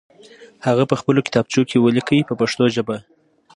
هغه په خپلو کتابچو کې ولیکئ په پښتو ژبه.